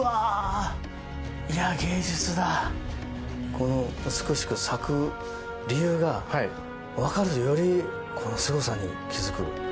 この美しく咲く理由がわかるとより、このすごさに気付く。